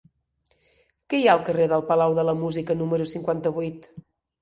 Què hi ha al carrer del Palau de la Música número cinquanta-vuit?